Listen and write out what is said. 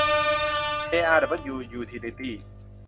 เจ อาร์ ดับเบิ้ลยู ยูทิลิตี้